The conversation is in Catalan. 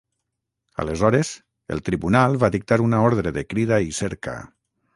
Aleshores, el tribunal va dictar una ordre de crida i cerca.